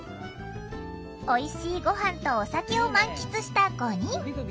おいしいご飯とお酒を満喫した５人。